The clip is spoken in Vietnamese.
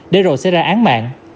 để rồi sẽ ra án mạng